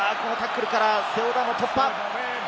このタックルからセオ・ダンの突破。